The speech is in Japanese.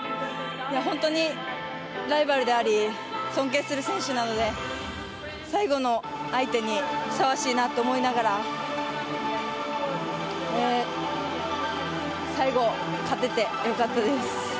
本当にライバルであり尊敬する選手なので最後の相手にふさわしいなと思いながら最後、勝てて良かったです。